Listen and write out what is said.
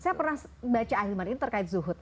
saya pernah baca ahilman ini terkait zuhud